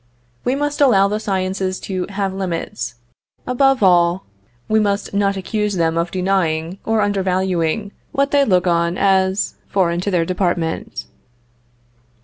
We must allow the sciences to have limits; above all, we must not accuse them of denying or undervaluing what they look upon as foreign to their department.